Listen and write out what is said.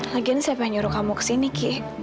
lagian siapa yang nyuruh kamu kesini ki